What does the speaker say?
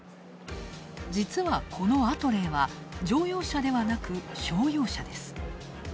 実は、このアトレーは乗用車ではなく商用車です。